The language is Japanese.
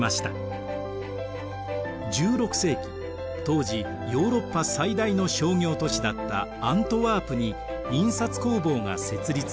当時ヨーロッパ最大の商業都市だったアントワープに印刷工房が設立されます。